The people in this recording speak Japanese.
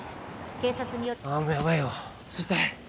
警察にああもうヤバいわ吸いたい！